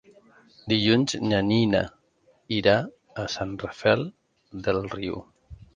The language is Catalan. Dilluns na Nina irà a Sant Rafel del Riu.